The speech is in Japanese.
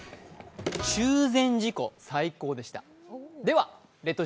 中禅寺湖、最高でした。